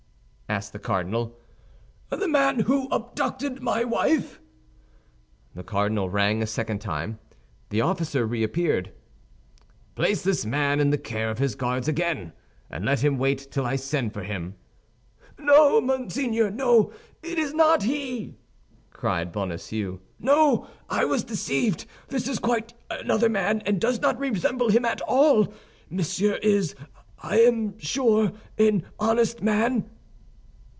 asked the cardinal. "The man who abducted my wife." The cardinal rang a second time. The officer reappeared. "Place this man in the care of his guards again, and let him wait till I send for him." "No, monseigneur, no, it is not he!" cried Bonacieux; "no, I was deceived. This is quite another man, and does not resemble him at all. Monsieur is, I am sure, an honest man."